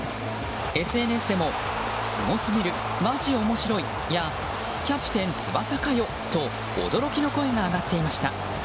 ＳＮＳでもすごすぎる、マジ面白いや「キャプテン翼」かよと驚きの声が上がっていました。